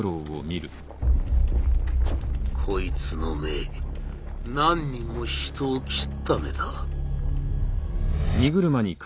「こいつの目何人も人を斬った目だ」。